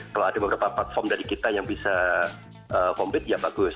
kalau ada beberapa platform dari kita yang bisa compete ya bagus